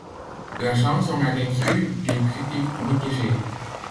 La chanson a reçu des critiques mitigées.